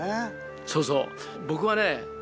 そうそう僕はね